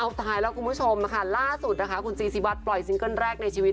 เอาตายแล้วคุณผู้ชมค่ะล่าสุดนะคะคุณจีซีวัตรปล่อยซิงเกิ้ลแรกในชีวิต